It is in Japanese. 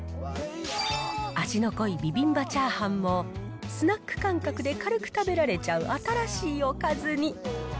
味の濃いビビンバチャーハンも、スナック感覚で軽く食べられちゃう新しいおかずに。